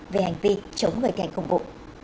về hành vi chống người thi hành công bộ